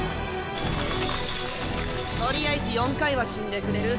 とりあえず４回は死んでくれる？